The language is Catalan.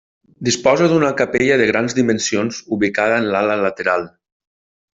Disposa d'una capella de grans dimensions ubicada en l'ala lateral.